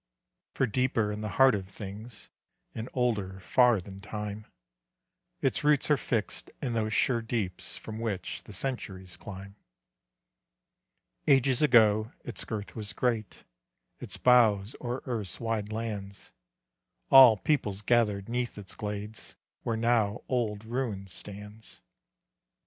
For deeper in the heart of things, And older far than time, Its roots are fixed in those sure deeps From which the centuries climb. Ages ago its girth was great; Its boughs o'er earth's wide lands; All peoples gathered 'neath its glades Where now old ruin stands.